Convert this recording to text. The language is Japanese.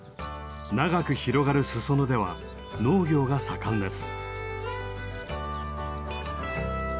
長く広がる裾野では農業が盛んです。